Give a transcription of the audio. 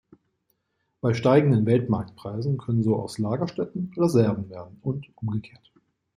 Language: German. Bei steigenden Weltmarktpreisen können so aus Lagerstätten Reserven werden, und umgekehrt.